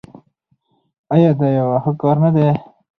آیا دا یو ښه کار نه دی؟